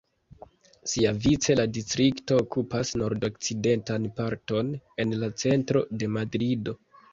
Siavice la distrikto okupas nordokcidentan parton en la centro de Madrido.